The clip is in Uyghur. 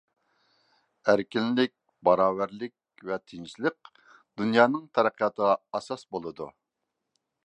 ئەركىنلىك، باراۋەرلىك ۋە تىنچلىق دۇنيانىڭ تەرەققىياتىغا ئاساس بولىدۇ.